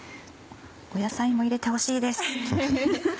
野菜も入れてほしいです。